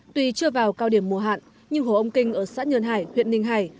tuy chưa vào cao điểm mùa hạn nhưng hồ ông kinh ở xã nhơn hải huyện ninh hải